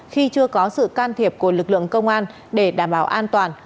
khi chưa có sự can thiệp của lực lượng công an để đảm bảo an toàn